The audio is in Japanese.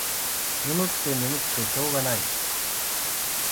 ねむくてねむくてしょうがない。